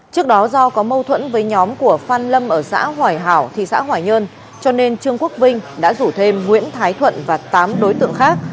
trước đó do có mâu thuẫn với nhóm của phan lâm ở xã hoài hảo thị xã hoài nhơn cho nên trương quốc vinh đã rủ thêm nguyễn thái thuận và tám đối tượng khác